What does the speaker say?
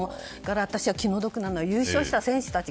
私が気の毒なのは優勝した選手たち。